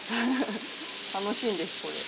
楽しいんですこれ。